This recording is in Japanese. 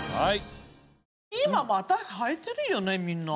今またはいてるよねみんな。